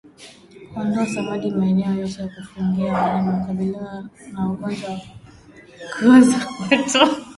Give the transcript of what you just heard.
Kuondoa samadi maeneo yote ya kufungia wanyama hukabiliana na ugonjwa wa kuoza kwato